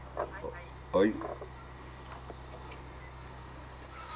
はい。